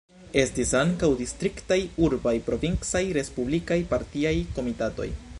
Estis ankaŭ distriktaj, urbaj, provincaj, respublikaj partiaj komitatoj.